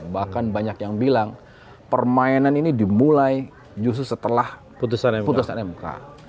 bahkan banyak yang bilang permainan ini dimulai justru setelah putusan mk